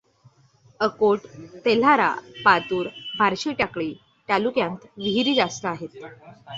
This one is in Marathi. अकोट, तेल्हारा, पातूर, बार्शीटाकळी तालुक्यांत विहिरी जास्त आहेत.